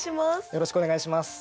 よろしくお願いします。